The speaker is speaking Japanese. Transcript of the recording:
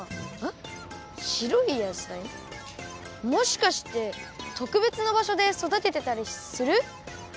もしかしてとくべつな場所でそだててたりする？